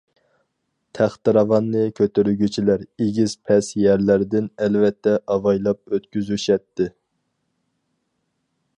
تەختىراۋاننى كۆتۈرگۈچىلەر ئېگىز-پەس يەرلەردىن ئەلۋەتتە ئاۋايلاپ ئۆتكۈزۈشەتتى.